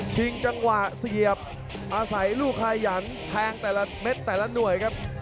จังหวะเสียบอาศัยลูกขยันแทงแต่ละเม็ดแต่ละหน่วยครับ